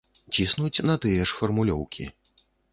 Ціснуць на тыя ж фармулёўкі.